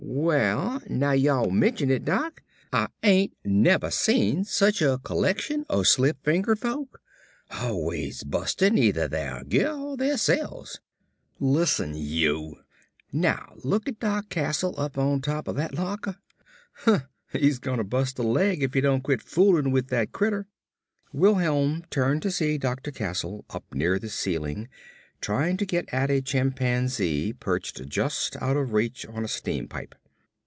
"Well now y'all mention it, Doc, Ah ain't nevah seen sich a collection o' slip fingered folk. Always bustin' either their gear or theirselves." "Listen, you " "Now lookit Doc Castle up on top o' that lockah. He's gonna bust a leg if he don't quit foolin' with that critter." Wilholm turned to see Dr. Castle up near the ceiling trying to get at a chimpanzee perched just out of reach on a steam pipe.